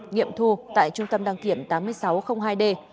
nghiệm thu tại trung tâm đăng kiểm tám mươi sáu hai d